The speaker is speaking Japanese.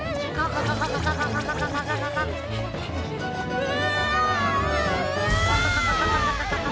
うわ！